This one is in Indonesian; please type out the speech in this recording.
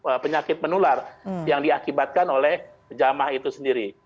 transisi penyakit menular yang diakibatkan oleh jamaah itu sendiri